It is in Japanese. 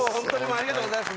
ありがとうございます。